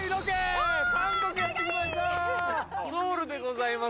ソウルでございます。